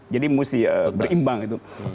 jadi mesti berimbang itu